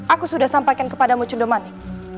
aku sudah sampaikan kepadamu cundemani